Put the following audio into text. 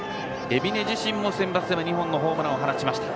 海老根自身もセンバツでは２本のホームランを放ちました。